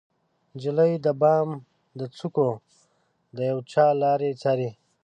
نجلۍ د بام د څوکو د یوچا لاره څارې